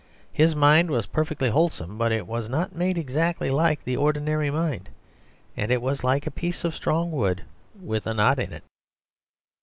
His mind was perfectly wholesome, but it was not made exactly like the ordinary mind. It was like a piece of strong wood with a knot in it.